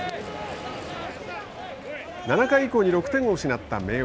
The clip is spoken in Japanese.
７回以降に６点を失った明桜。